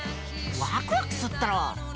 ワクワクすっだろ？